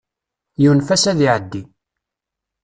Yunef-as ad iɛeddi.